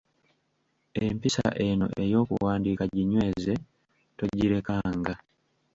Empisa eno ey'okuwandiika ginyweze, togirekanga.